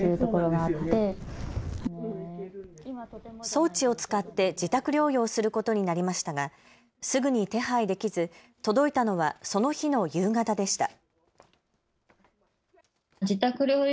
装置を使って自宅療養することになりましたがすぐに手配できず届いたのはその日の夕方でした。